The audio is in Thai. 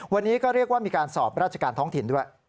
วันนี้ก็เรียกว่ามีการสอบราชการท้องถิ่นด้วย